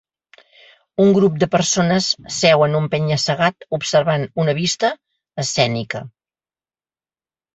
Un grup de persones seu en un penya-segat observant una vista escènica.